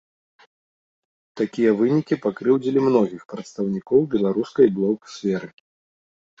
Такія вынікі пакрыўдзілі многіх прадстаўнікоў беларускай блог-сферы.